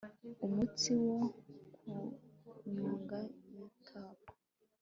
umutsi wo ku nyonga y itako